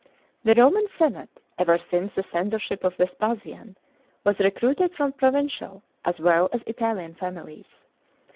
The Roman semte, ever since the censorship ©f Vespasiau> was recruited from provincial, as well as Italian families.